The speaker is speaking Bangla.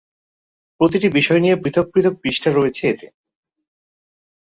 প্রতিটি বিষয় নিয়ে পৃথক পৃথক পৃষ্ঠা রয়েছে এতে।